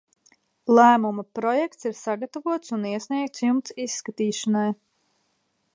Lēmuma projekts ir sagatavots un iesniegts jums izskatīšanai.